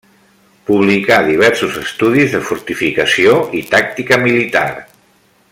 Publicà diversos estudis de fortificació i tàctica militar.